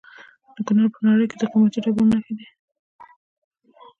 د کونړ په ناړۍ کې د قیمتي ډبرو نښې دي.